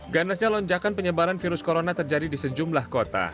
ganasnya lonjakan penyebaran virus corona terjadi di sejumlah kota